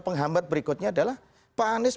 penghambat berikutnya adalah pak anies